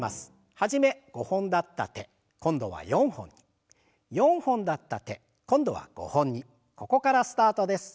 初め５本だった手今度は４本に４本だった手今度は５本にここからスタートです。